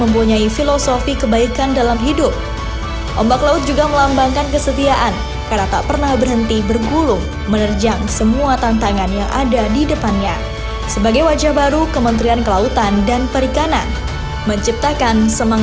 berkenakan untuk beberapa perjalanan yang diperlukan